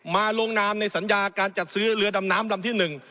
ลงนามในสัญญาการจัดซื้อเรือดำน้ำลำที่๑